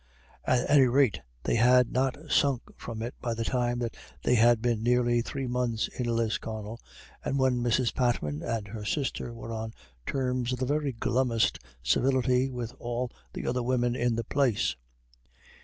At any rate they had not sunk from it by the time that they had been nearly three months in Lisconnel, and when Mrs. Patman and her sister were on terms of the very glummest civility with all the other women in the place.